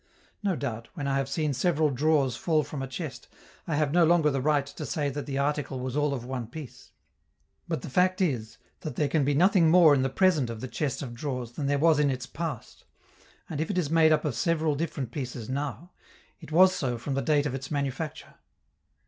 No doubt, when I have seen several drawers fall from a chest, I have no longer the right to say that the article was all of one piece. But the fact is that there can be nothing more in the present of the chest of drawers than there was in its past, and if it is made up of several different pieces now, it was so from the date of its manufacture.